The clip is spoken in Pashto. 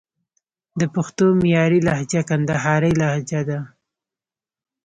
د پښتو معیاري لهجه کندهارۍ لجه ده